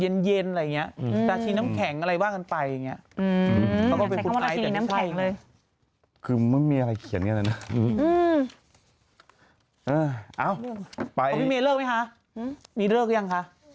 เลิกแต่งเลิกแต่ง